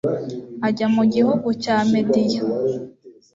ajya mu gihugu cya mediya